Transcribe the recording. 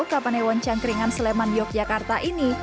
kapanewon cangkringan sleman yogyakarta ini